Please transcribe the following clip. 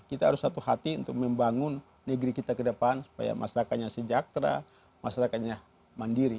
kita harus satu hati untuk membangun negeri kita ke depan supaya masyarakatnya sejahtera masyarakatnya mandiri